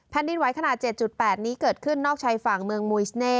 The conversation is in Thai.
ดินไหวขนาด๗๘นี้เกิดขึ้นนอกชายฝั่งเมืองมุยสเน่